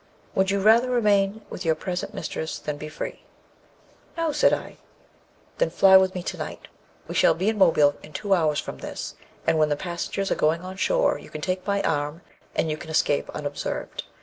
'Would you rather remain with your present mistress than be free?' 'No,' said I. 'Then fly with me tonight; we shall be in Mobile in two hours from this, and when the passengers are going on shore, you can take my arm, and you can escape unobserved.